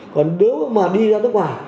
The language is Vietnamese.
còn nếu mà đi ra nước ngoài